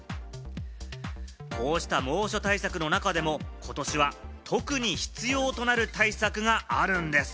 こうした猛暑対策の中でもことしは特に必要となる対策があるんです。